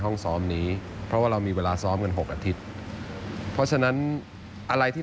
ทางนี้จริงมันก็มีการเสิร์ฟจบรับบนแพกรวมใหม่ก่อน